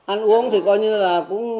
ăn uống thì coi như là